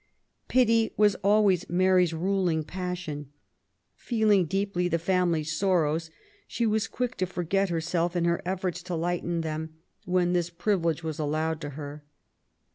Pity was always Mary's ruling passion. Peeling^ deeply the family sorrows^ she was quick to forget herself in her efforts to lighten them when this privilege was allowed to her.